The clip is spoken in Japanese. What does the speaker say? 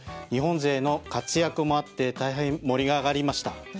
日本勢の活躍もあって大変、盛り上がりました。